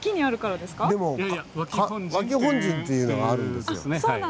「脇本陣」っていうのがあるんですよ。